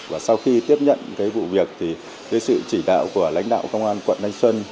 và sau khi tiếp nhận vụ việc với sự chỉ đạo của lãnh đạo công an quận thanh xuân